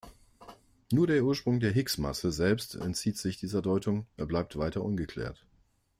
Nur der Ursprung der Higgs-Masse selbst entzieht sich dieser Deutung, er bleibt weiter ungeklärt.